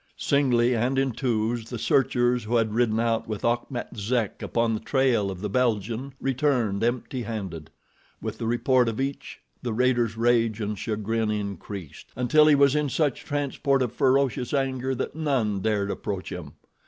Singly and in twos the searchers who had ridden out with Achmet Zek upon the trail of the Belgian, returned empty handed. With the report of each the raider's rage and chagrin increased, until he was in such a transport of ferocious anger that none dared approach him.